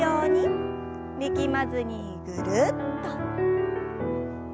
力まずにぐるっと。